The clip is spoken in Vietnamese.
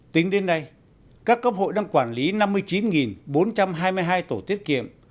tính đến nay các cấp hội đang quản lý năm mươi chín bốn trăm hai mươi hai tổ tiết kiệm